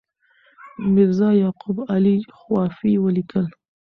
میرزا یعقوب علي خوافي ولیکل.